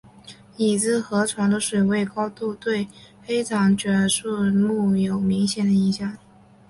已知河床的水位高度对黑长脚鹬数目有明显影响。